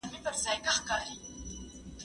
زه به سبا کتابونه وليکم،،